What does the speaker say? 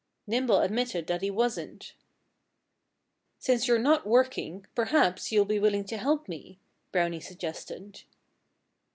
Nimble admitted that he wasn't. "Since you're not working, perhaps you'll be willing to help me," Brownie suggested.